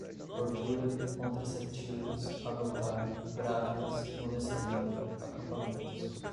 tortura, contraceptivos, abortar, grávidas, molestamento, acampamentos